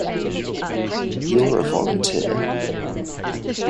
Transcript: You're a volunteer.